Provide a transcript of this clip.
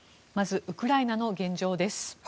まずウクライナの現状です。